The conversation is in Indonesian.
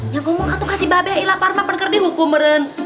yang gue mau kasih mbak be lapar lapar di hukum meren